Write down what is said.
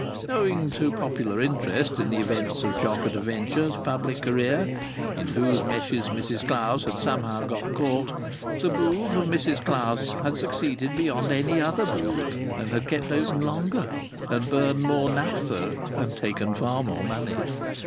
Owing to popular interest in the events of Jock at a Venture's public career, in whose meshes Mrs Clowes had somehow got caught, the booth of Mrs Clowes had succeeded beyond any other booth, and had kept open longer and burned more naphtha and taken far more money.